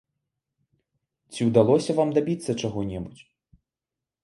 Ці ўдалося вам дабіцца чаго-небудзь?